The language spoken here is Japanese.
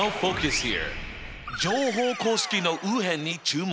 乗法公式の右辺に注目！